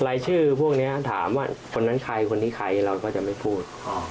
รายชื่อพวกนี้ถามว่าคนนั้นใครคนนี้ใครเราก็จะไม่พูด